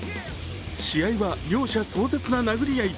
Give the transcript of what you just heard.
試合は両者壮絶な殴り合い。